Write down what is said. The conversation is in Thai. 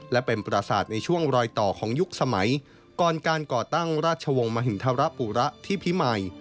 และเป็นประสาทในช่วงรอยต่อของยุคสมัยก่อนการก่อตั้งราชวงศ์มหินทรปุระที่พิมัย